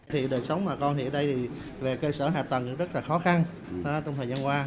thì đời sống mà con thì ở đây về cơ sở hạ tầng rất là khó khăn trong thời gian qua